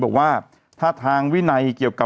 บอกว่าถ้าทางวินัย